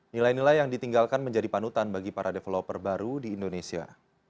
nilai nilai yang ditinggalkan menjadi panutan bagi para developer baru di indonesia